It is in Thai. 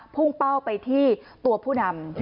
พุ่งเป้าไปที่ตัวผู้นำ